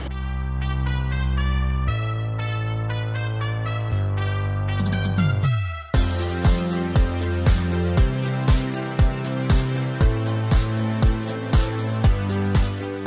น้ำจีนเนี่ย๓น้ำยาอยู่ข้างหน้าเลยมี